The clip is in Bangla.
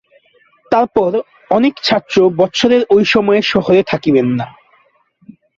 তারপর অনেক ছাত্র বৎসরের ঐ সময়ে শহরে থাকিবেন না।